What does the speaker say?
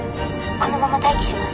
このまま待機します」。